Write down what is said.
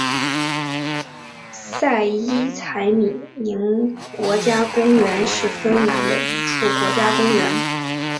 塞伊采米宁国家公园是芬兰的一处国家公园。